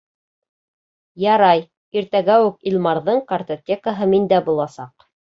Ярай, иртәгә үк Илмарҙың картотекаһы миндә буласаҡ.